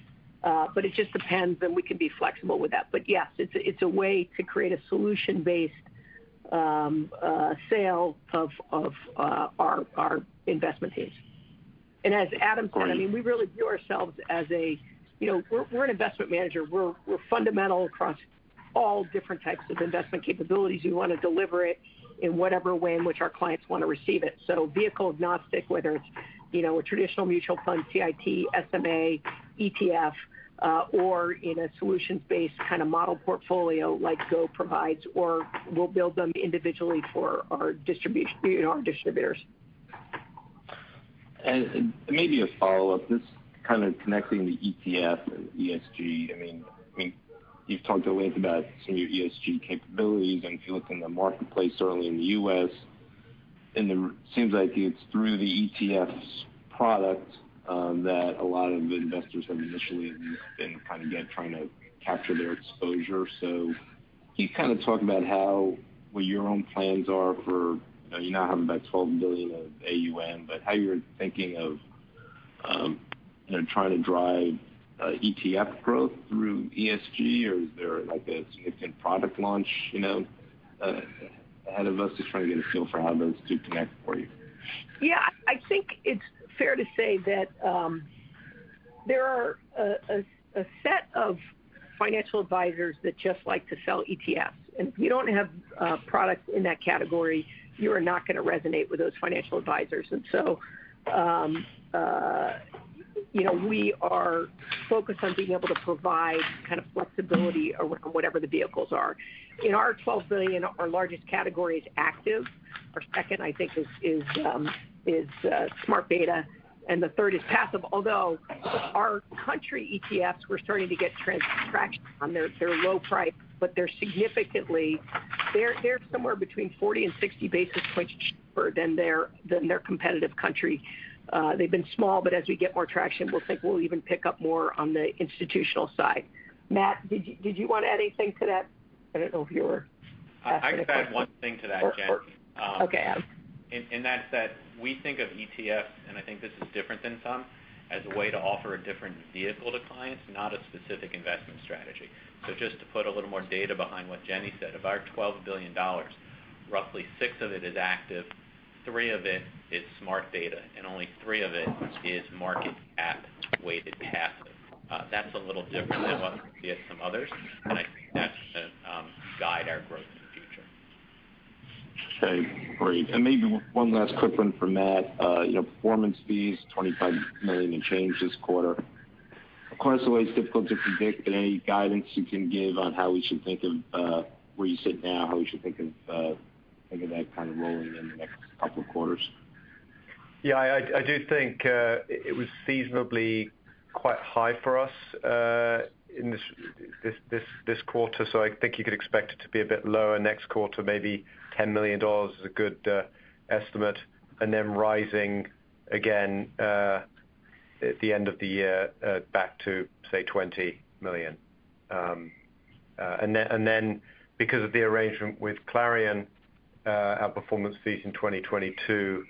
But it just depends, and we can be flexible with that. But yes, it's a way to create a solution-based sale of our investment teams. And as Adam said, I mean, we really view ourselves as, we're an investment manager. We're fundamental across all different types of investment capabilities. We want to deliver it in whatever way in which our clients want to receive it. So vehicle agnostic, whether it's a traditional mutual fund, UIT, SMA, ETF, or in a solutions-based kind of model portfolio like Go provides, or we'll build them individually for our distributors. And maybe a follow-up, just kind of connecting the ETF and ESG. I mean, you've talked at length about some of your ESG capabilities, and if you look in the marketplace, certainly in the U.S., it seems like it's through the ETF product that a lot of investors have initially been kind of trying to capture their exposure. So can you kind of talk about what your own plans are for since you're now having about $12 billion of AUM, but how you're thinking of trying to drive ETF growth through ESG, or is there a significant product launch ahead of us to try and get a feel for how those two connect for you? Yeah. I think it's fair to say that there are a set of financial advisors that just like to sell ETFs. And if you don't have products in that category, you are not going to resonate with those financial advisors. And so we are focused on being able to provide kind of flexibility around whatever the vehicles are. In our $12 billion, our largest category is active. Our second, I think, is Smart Beta. And the third is passive. Although our country ETFs, we're starting to get traction on. They're low priced, but they're significantly somewhere between 40-60 basis points cheaper than their competitive country. They've been small, but as we get more traction, we'll even pick up more on the institutional side. Matt, did you want to add anything to that? I don't know if you were. I could add one thing to that, Jenny. Okay. Adam. That's how we think of ETFs, and I think this is different than some as a way to offer a different vehicle to clients, not a specific investment strategy. So just to put a little more data behind what Jenny said, of our $12 billion, roughly six of it is active, three of it is Smart Beta, and only three of it is market cap weighted passive. That's a little different than what we see at some others. I think that's going to guide our growth in the future. Okay. Great. And maybe one last quick one for Matt. Performance fees, $25 million and change this quarter. Of course, it's always difficult to predict, but any guidance you can give on how we should think of where you sit now, how we should think of that kind of rolling in the next couple of quarters? Yeah. I do think it was seasonably quite high for us this quarter. So I think you could expect it to be a bit lower next quarter. Maybe $10 million is a good estimate. And then rising again at the end of the year back to, say, $20 million. And then because of the arrangement with Clarion, our performance fees in 2022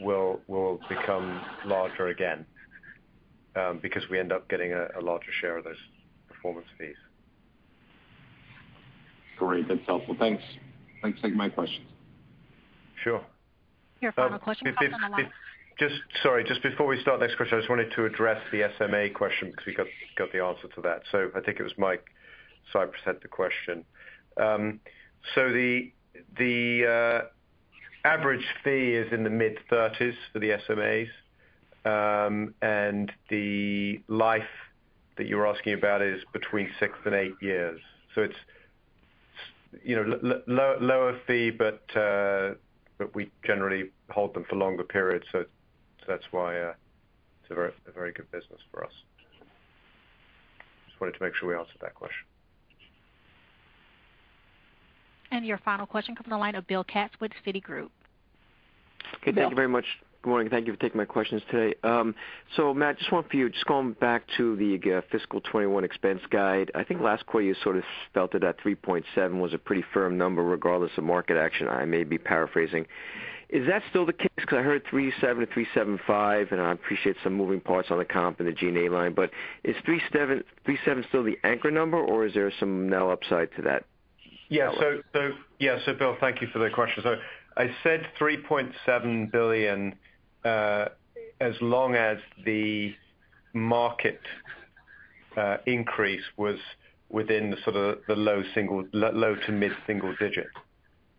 will become larger again because we end up getting a larger share of those performance fees. Great. That's helpful. Thanks for taking my questions. Sure. Your final question? Sorry. Just before we start the next question, I just wanted to address the SMA question because we got the answer to that. So I think it was Mike Cyprys had the question. So the average fee is in the mid-30s for the SMAs. And the life that you're asking about is between six and eight years. So it's lower fee, but we generally hold them for longer periods. So that's why it's a very good business for us. Just wanted to make sure we answered that question. Your final question comes on the line of Bill Katz with Citigroup. Okay. Thank you very much. Good morning. Thank you for taking my questions today. So Matt, just one for you. Just going back to the fiscal 2021 expense guide, I think last quarter you sort of spelled it at 3.7 was a pretty firm number regardless of market action. I may be paraphrasing. Is that still the case? Because I heard 3.7 to 3.75, and I appreciate some moving parts on the comp and the G&A line. But is 3.7 still the anchor number, or is there some now upside to that? Yeah. So yeah. So Bill, thank you for the question. So I said $3.7 billion as long as the market increase was within sort of the low- to mid-single-digit.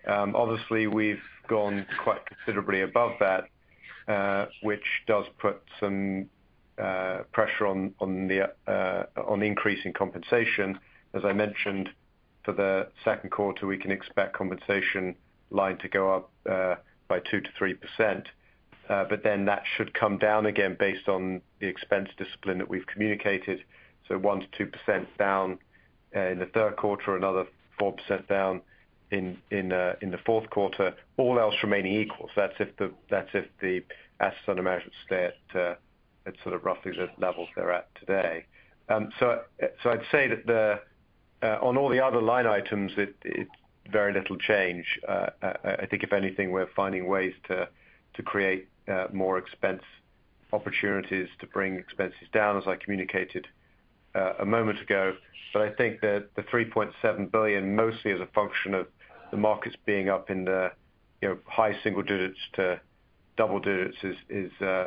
Obviously, we've gone quite considerably above that, which does put some pressure on the increase in compensation. As I mentioned, for the second quarter, we can expect compensation line to go up by 2%-3%. But then that should come down again based on the expense discipline that we've communicated. So 1%-2% down in the third quarter, another 4% down in the fourth quarter, all else remaining equal. So that's if the assets under management stay at sort of roughly the level they're at today. So I'd say that on all the other line items, it's very little change. I think if anything, we're finding ways to create more expense opportunities to bring expenses down, as I communicated a moment ago. But I think that the $3.7 billion, mostly as a function of the markets being up in the high single digits to double digits,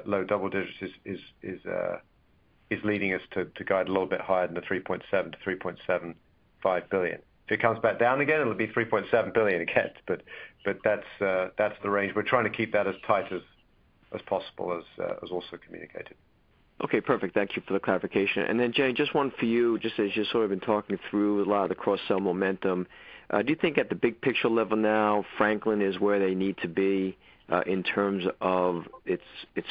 low double digits, is leading us to guide a little bit higher than the $3.7-$3.75 billion. If it comes back down again, it'll be $3.7 billion again. But that's the range. We're trying to keep that as tight as possible, as also communicated. Okay. Perfect. Thank you for the clarification, and then, Jenny, just one for you, just as you've sort of been talking through a lot of the cross-sell momentum. Do you think at the big picture level now, Franklin is where they need to be in terms of its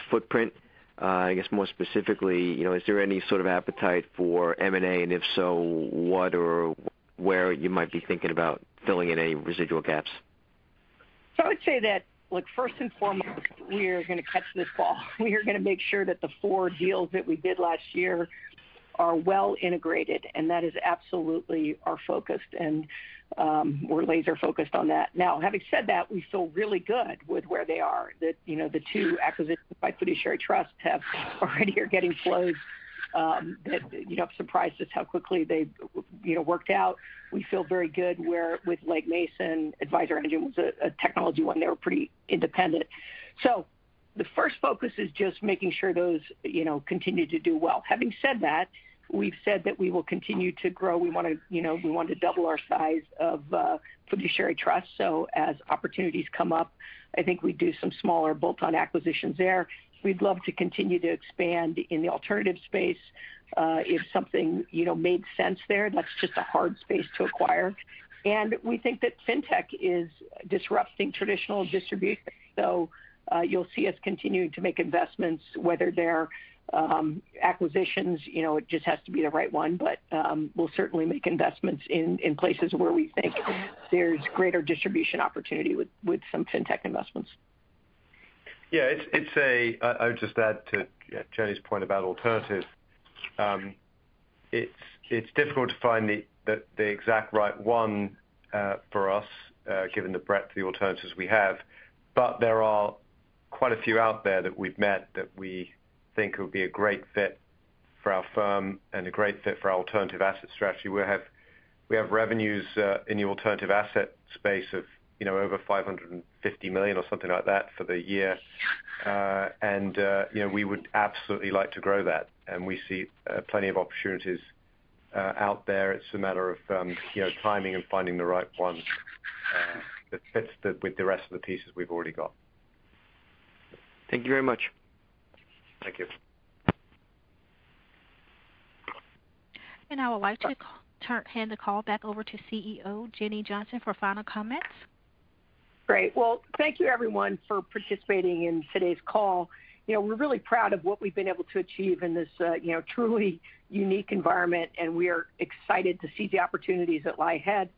footprint? I guess more specifically, is there any sort of appetite for M&A? And if so, what or where you might be thinking about filling in any residual gaps? So I would say that, look, first and foremost, we are going to catch this ball. We are going to make sure that the four deals that we did last year are well integrated. And that is absolutely our focus. And we're laser-focused on that. Now, having said that, we feel really good with where they are. The two acquisitions by Fiduciary Trust already are getting flows that surprised us how quickly they worked out. We feel very good with Legg Mason. AdvisorEngine was a technology one. They were pretty independent. So the first focus is just making sure those continue to do well. Having said that, we've said that we will continue to grow. We want to double our size of Fiduciary Trust. So as opportunities come up, I think we do some smaller bolt-on acquisitions there. We'd love to continue to expand in the alternative space. If something made sense there, that's just a hard space to acquire, and we think that fintech is disrupting traditional distribution, so you'll see us continuing to make investments, whether they're acquisitions. It just has to be the right one, but we'll certainly make investments in places where we think there's greater distribution opportunity with some fintech investments. Yeah. I would just add to Jenny's point about alternatives. It's difficult to find the exact right one for us, given the breadth of the alternatives we have. But there are quite a few out there that we've met that we think would be a great fit for our firm and a great fit for our alternative asset strategy. We have revenues in the alternative asset space of over $550 million or something like that for the year. And we would absolutely like to grow that. And we see plenty of opportunities out there. It's a matter of timing and finding the right one that fits with the rest of the pieces we've already got. Thank you very much. Thank you. I would like to hand the call back over to CEO Jenny Johnson for final comments. Great. Well, thank you, everyone, for participating in today's call. We're really proud of what we've been able to achieve in this truly unique environment, and we are excited to see the opportunities that lie ahead.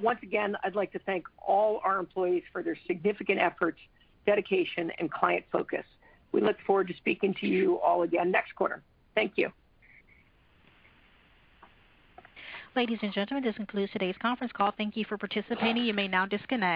Once again, I'd like to thank all our employees for their significant efforts, dedication, and client focus. We look forward to speaking to you all again next quarter. Thank you. Ladies and gentlemen, this concludes today's conference call. Thank you for participating. You may now disconnect.